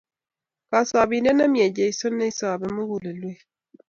Kosobindet ne mie Jesu Ne soobi mugulelwek.